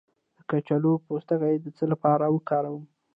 د کچالو پوستکی د څه لپاره وکاروم؟